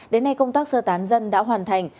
đến nay công tác sơ tán dân đã hoàn thành